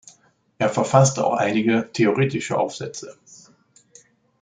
Er verfasste auch einige theoretische Aufsätze.